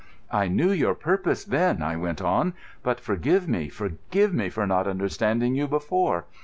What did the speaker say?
"I knew your purpose then," I went on. "But forgive me, forgive me for not understanding you before.